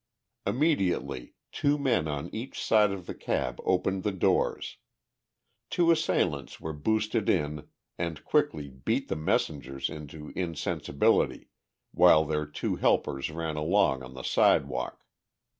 Immediately two men on each side of the cab opened the doors. Two assailants were boosted in and quickly beat the messengers into insensibility, while their two helpers ran along on the sidewalk.